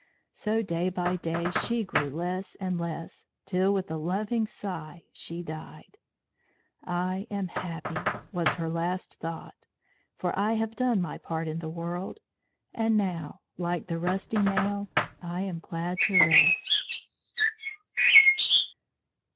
So day by day she grew less and less, till with a loving sigh she died. "I am happy," was her last thought, "for I have done my part in the world, and now, like the rusty nail, I am glad to rest."